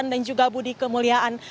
dan juga budi kemuliaan